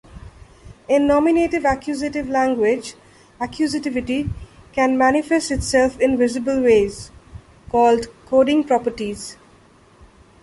In a nominative-accusative language, accusativity can manifest itself in visible ways, called coding properties.